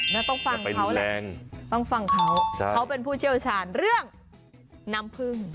ต้องฟังเขาแหละต้องฟังเขาเขาเป็นผู้เชี่ยวชาญเรื่องน้ำผึ้ง